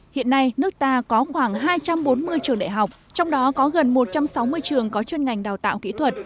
hiện nay nước ta có khoảng hai trăm bốn mươi trường đại học trong đó có gần một trăm sáu mươi trường có chuyên ngành đào tạo kỹ thuật